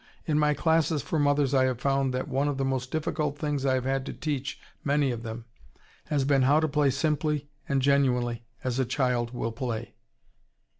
In my classes for mothers I have found that one of the most difficult things I have had to teach many of them has been how to play simply and genuinely as a child will play."